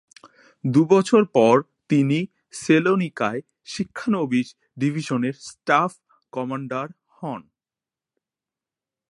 দুই বছর পর তিনি সেলোনিকায় শিক্ষানবিশ ডিভিশনের স্টাফ কমান্ডার হন।